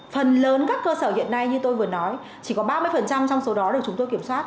phần lớn các cơ sở hiện nay như tôi vừa nói chỉ có ba mươi trong số đó được chúng tôi kiểm soát